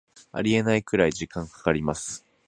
ありえないくらい時間かかります